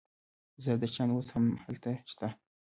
زردشتیان اوس هم هلته شته.